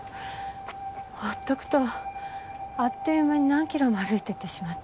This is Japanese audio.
ほっとくとあっという間に何ｋｍも歩いてってしまって。